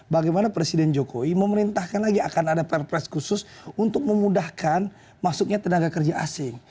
bagaimana presiden jokowi memerintahkan lagi akan ada perpres khusus untuk memudahkan masuknya tenaga kerja asing